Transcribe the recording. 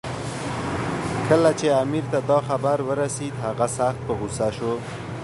کله چې امیر ته دا خبر ورسېد، هغه سخت په غوسه شو.